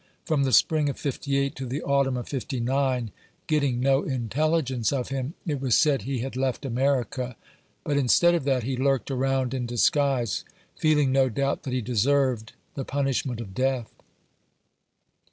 From the spring of '58 to the au tumu of '5i>, gettiug no intelligence of him, it was said he had left America; but instead of that, he lurked around in disguise, feeling, no doubt, that he deserved the punishment of death.